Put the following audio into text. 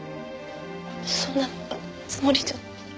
そんなつもりじゃ。